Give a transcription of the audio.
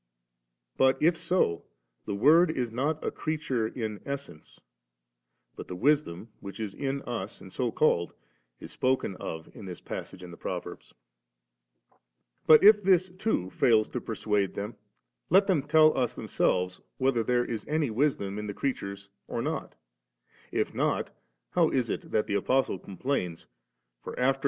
But if so, the Word is not a creature in essence'^; but the wisdom which is in us and so called, is spoken of in this passage in the Proverbs. 79. But if this too fails to persuade them, let them tell us themselves, whether there is any wisdom in the creatures or not